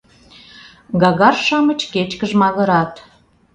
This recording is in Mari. Гагар-шамыч кечкыж магырат.